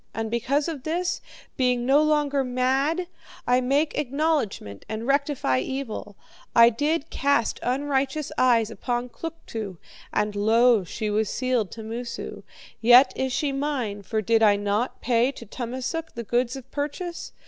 And because of this, being no longer mad, I make acknowledgment and rectify evil. I did cast unrighteous eyes upon Kluktu, and lo, she was sealed to Moosu. Yet is she mine, for did I not pay to Tummasook the goods of purchase?